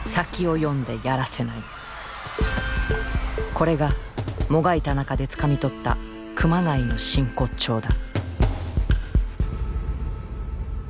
これがもがいた中でつかみ取った熊谷の真骨頂だ。